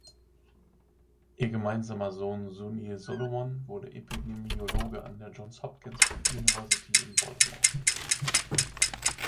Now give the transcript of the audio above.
Ihr gemeinsamer Sohn Sunil Solomon wurde Epidemiologe an der Johns Hopkins University in Baltimore.